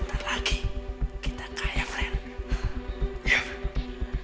sebentar lagi kita kaya friend